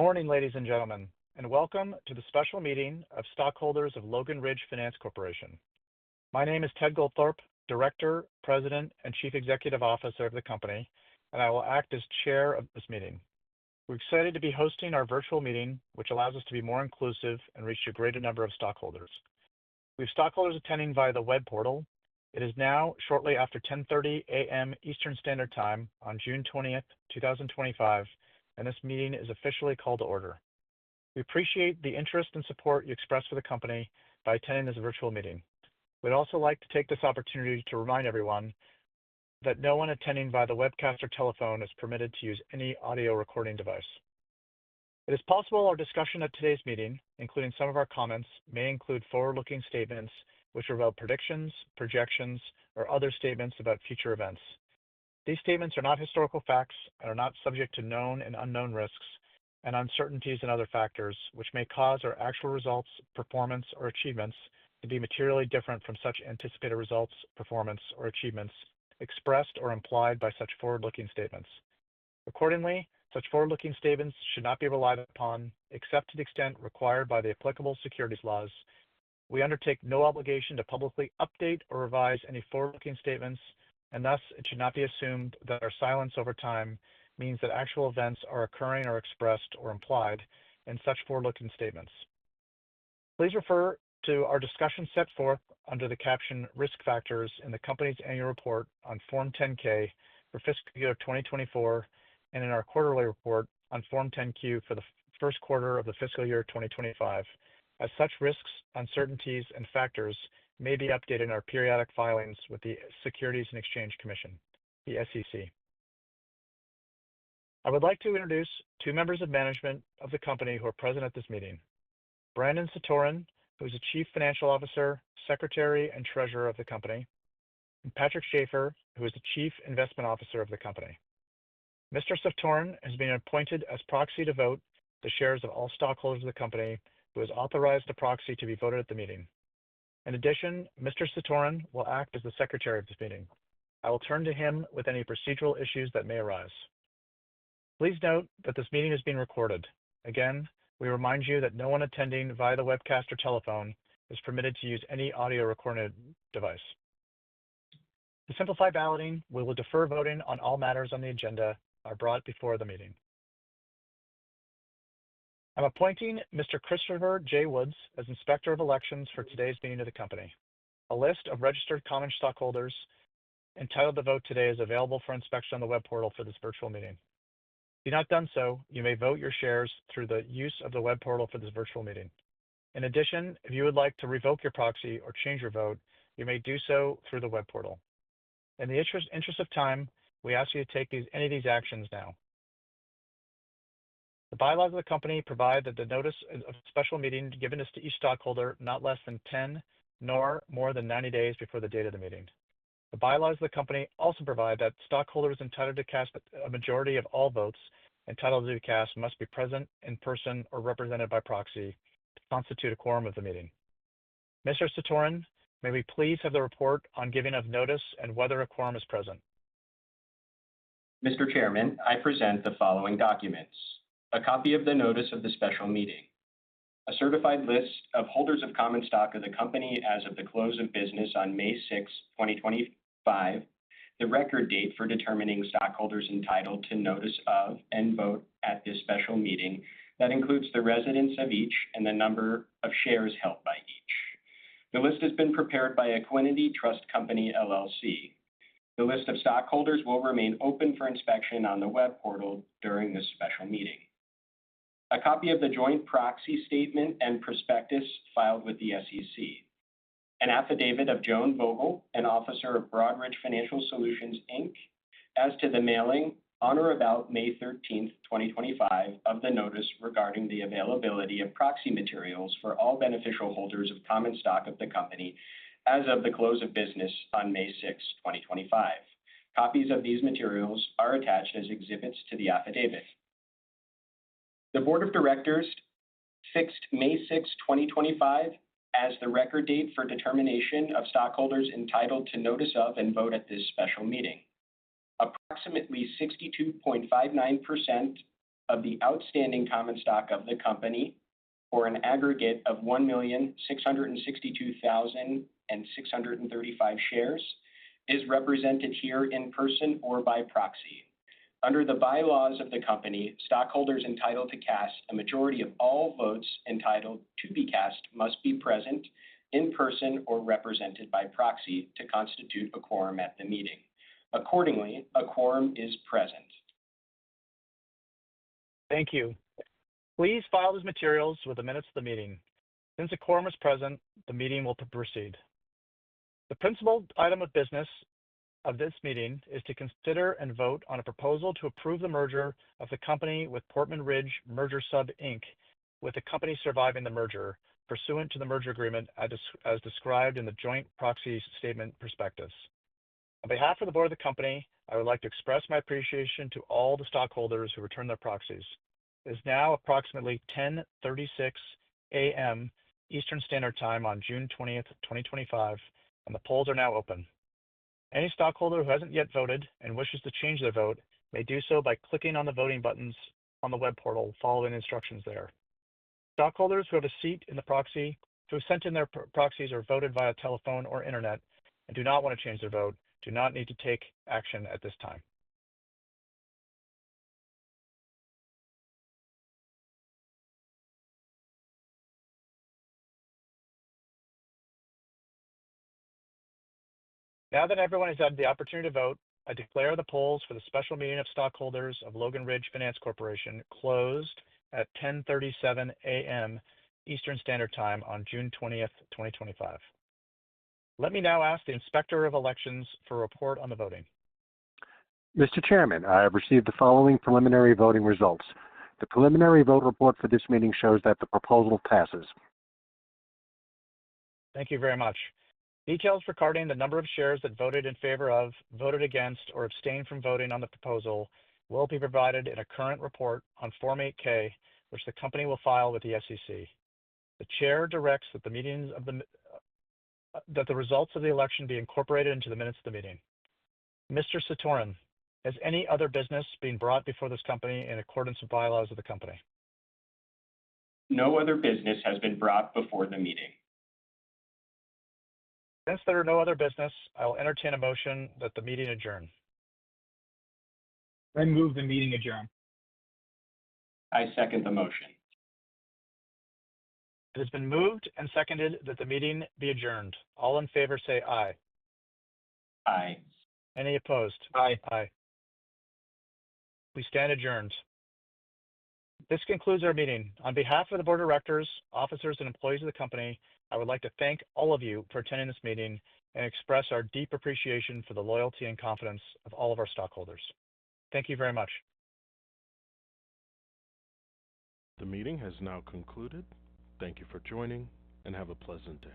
Good morning, ladies and gentlemen, and welcome to the special meeting of stockholders of Logan Ridge Finance Corporation. My name is Ted Goldthorpe, Director, President, and Chief Executive Officer of the company, and I will act as Chair of this meeting. We're excited to be hosting our virtual meeting, which allows us to be more inclusive and reach a greater number of stockholders. We have stockholders attending via the web portal. It is now shortly after 10:30 A.M. Eastern Standard Time on June 20th, 2025, and this meeting is officially called to order. We appreciate the interest and support you expressed for the company by attending this virtual meeting. We'd also like to take this opportunity to remind everyone that no one attending via the webcast or telephone is permitted to use any audio recording device. It is possible our discussion at today's meeting, including some of our comments, may include forward-looking statements which reveal predictions, projections, or other statements about future events. These statements are not historical facts and are subject to known and unknown risks and uncertainties and other factors which may cause our actual results, performance, or achievements to be materially different from such anticipated results, performance, or achievements expressed or implied by such forward-looking statements. Accordingly, such forward-looking statements should not be relied upon except to the extent required by the applicable securities laws. We undertake no obligation to publicly update or revise any forward-looking statements, and thus it should not be assumed that our silence over time means that actual events are occurring or expressed or implied in such forward-looking statements. Please refer to our discussion set forth under the caption "Risk Factors" in the company's annual report on Form 10-K for fiscal year 2024 and in our quarterly report on Form 10-Q for the first quarter of the fiscal year 2025, as such risks, uncertainties, and factors may be updated in our periodic filings with the Securities and Exchange Commission, the SEC. I would like to introduce two members of management of the company who are present at this meeting: Brandon Satoren, who is the Chief Financial Officer, Secretary, and Treasurer of the company, and Patrick Schafer, who is the Chief Investment Officer of the company. Mr. Satoren has been appointed as proxy to vote the shares of all stockholders of the company, who has authorized the proxy to be voted at the meeting. In addition, Mr. Satoren will act as the Secretary of this meeting. I will turn to him with any procedural issues that may arise. Please note that this meeting is being recorded. Again, we remind you that no one attending via the webcast or telephone is permitted to use any audio recording device. To simplify balloting, we will defer voting on all matters on the agenda brought before the meeting. I'm appointing Mr. Christopher J. Woods as Inspector of Elections for today's meeting of the company. A list of registered common stockholders entitled to vote today is available for inspection on the web portal for this virtual meeting. If you have not done so, you may vote your shares through the use of the web portal for this virtual meeting. In addition, if you would like to revoke your proxy or change your vote, you may do so through the web portal. In the interest of time, we ask you to take any of these actions now. The Bylaws of the company provide that the notice of special meeting is given to each stockholder not less than 10 nor more than 90 days before the date of the meeting. The Bylaws of the company also provide that stockholders entitled to cast a majority of all votes entitled to cast must be present in person or represented by proxy to constitute a quorum of the meeting. Mr. Satoren, may we please have the report on giving of notice and whether a quorum is present? Mr. Chairman, I present the following documents: a copy of the notice of the special meeting, a certified list of holders of common stock of the company as of the close of business on May 6, 2025, the record date for determining stockholders entitled to notice of and vote at this special meeting that includes the residence of each and the number of shares held by each. The list has been prepared by Equiniti Trust Company LLC. The list of stockholders will remain open for inspection on the web portal during this special meeting. A copy of the joint proxy statement and prospectus filed with the SEC. An affidavit of Joanne Vogel, an officer of Broadridge Financial Solutions, Inc, as to the mailing on or about May 13th, 2025, of the notice regarding the availability of proxy materials for all beneficial holders of common stock of the company as of the close of business on May 6th, 2025. Copies of these materials are attached as exhibits to the affidavit. The board of directors fixed May 6th, 2025, as the record date for determination of stockholders entitled to notice of and vote at this special meeting. Approximately 62.59% of the outstanding common stock of the company, or an aggregate of 1,662,635 shares, is represented here in person or by proxy. Under the bylaws of the company, stockholders entitled to cast a majority of all votes entitled to be cast must be present in person or represented by proxy to constitute a quorum at the meeting. Accordingly, a quorum is present. Thank you. Please file these materials with amendments to the meeting. Since a quorum is present, the meeting will proceed. The principal item of business of this meeting is to consider and vote on a proposal to approve the merger of the company with Portman Ridge Merger Sub, Inc., with the company surviving the merger, pursuant to the merger agreement as described in the joint proxy statement prospectus. On behalf of the board of the company, I would like to express my appreciation to all the stockholders who returned their proxies. It is now approximately 10:36 A.M. Eastern Standard Time on June 20th, 2025, and the polls are now open. Any stockholder who hasn't yet voted and wishes to change their vote may do so by clicking on the voting buttons on the web portal following instructions there. Stockholders who have a seat in the proxy, who have sent in their proxies or voted via telephone or internet and do not want to change their vote, do not need to take action at this time. Now that everyone has had the opportunity to vote, I declare the polls for the special meeting of stockholders of Logan Ridge Finance Corporation closed at 10:37 A.M. Eastern Standard Time on June 20th, 2025. Let me now ask the Inspector of Elections for a report on the voting. Mr. Chairman, I have received the following preliminary voting results. The preliminary vote report for this meeting shows that the proposal passes. Thank you very much. Details regarding the number of shares that voted in favor of, voted against, or abstained from voting on the proposal will be provided in a current report on Form 8-K, which the company will file with the SEC. The Chair directs that the results of the election be incorporated into the minutes of the meeting. Mr. Satoren, has any other business been brought before this company in accordance with Bylaws of the company? No other business has been brought before the meeting. Since there are no other business, I will entertain a motion that the meeting adjourn. I move the meeting adjourn. I second the motion. It has been moved and seconded that the meeting be adjourned. All in favor say aye. Aye. Any opposed? Aye. Aye. We stand adjourned. This concludes our meeting. On behalf of the board of directors, officers, and employees of the company, I would like to thank all of you for attending this meeting and express our deep appreciation for the loyalty and confidence of all of our stockholders. Thank you very much. The meeting has now concluded. Thank you for joining and have a pleasant day.